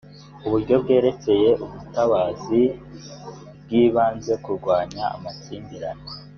uburyo bwerekeye ubutabazi bw’ibanze kurwanya amakimbirane